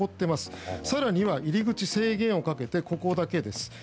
更には入り口、制限をかけてここだけです。